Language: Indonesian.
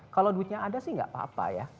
kalau duitnya ada sih nggak apa apa ya